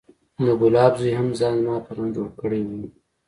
د ګلاب زوى هم ځان زما په رنګ جوړ کړى و.